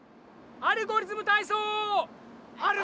「アルゴリズムたいそう」！